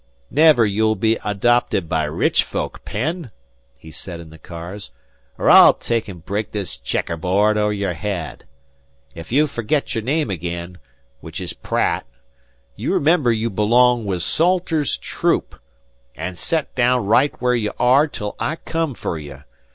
"Never you be adopted by rich folk, Penn," he said in the cars, "or I'll take 'n' break this checker board over your head. Ef you forgit your name agin which is Pratt you remember you belong with Salters Troop, an' set down right where you are till I come fer you.